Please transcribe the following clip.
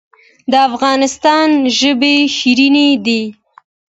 د افغانستان ژبې شیرینې دي